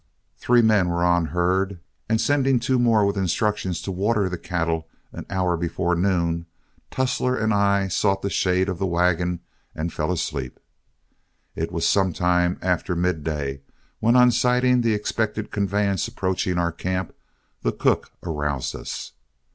Three men were on herd, and sending two more with instructions to water the cattle an hour before noon, Tussler and I sought the shade of the wagon and fell asleep. It was some time after midday when, on sighting the expected conveyance approaching our camp, the cook aroused us.